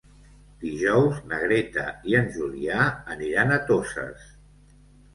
Dijous na Greta i en Julià aniran a Toses.